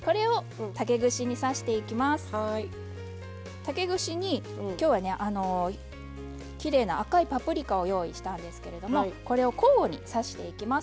竹串に今日はきれいな赤いパプリカを用意したんですけれどもこれを交互に刺していきます。